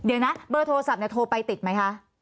เดี๋ยวนะเบอร์โทรศัพท์โทรไปติดไหมคะ